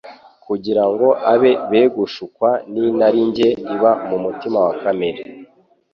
kugira ngo abe be gushukwa n'inarinjye iba mu mutima wa kamere